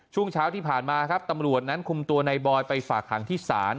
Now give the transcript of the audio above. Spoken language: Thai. ช่วงเช้าที่ผ่านมาครับตำรวจนั้นคุมตัวในบอยไปฝากหางที่ศาล